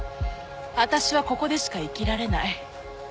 あたしはここでしか生きられない。